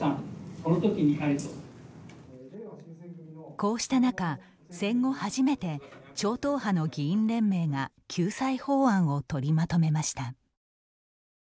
こうした中、戦後初めて超党派の議員連盟が救済法案をとりまとめました。